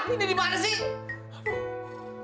ini dimana sih